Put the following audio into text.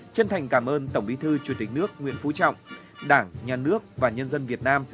chân thành cảm ơn tổng bí thư chủ tịch nước nguyễn phú trọng đảng nhà nước và nhân dân việt nam